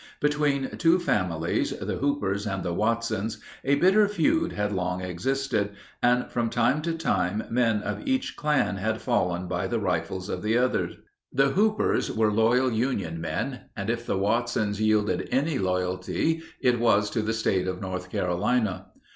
Between two families, the Hoopers and the Watsons, a bitter feud had long existed, and from time to time men of each clan had fallen by the rifles of the other. The Hoopers were loyal Union men, and if the Watsons yielded any loyalty it was to the State of North Carolina.